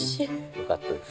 良かったです。